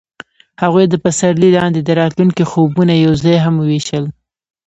هغوی د پسرلی لاندې د راتلونکي خوبونه یوځای هم وویشل.